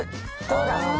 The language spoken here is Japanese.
どうだ？